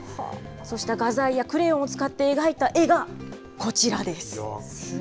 そうした画材やクレヨンを使って描いた絵がこちらです。